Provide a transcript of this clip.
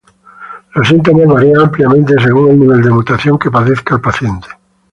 Los síntomas varían ampliamente según el nivel de mutación que padezca el paciente.